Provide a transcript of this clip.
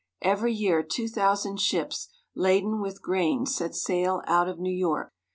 Every year two thousand ships laden with grain sail out of New York.